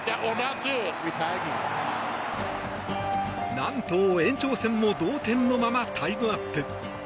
何と、延長戦も同点のままタイムアップ。